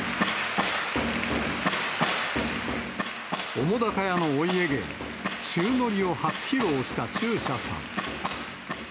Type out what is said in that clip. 澤瀉屋のお家芸、宙乗りを初披露した中車さん。